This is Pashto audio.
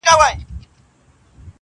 د زندانونو تعبیرونه له چا وپوښتمه-